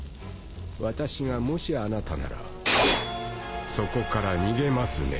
私がもしあなたならそこから逃げますね。